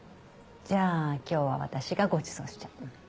じゃあ今日は私がごちそうしちゃう。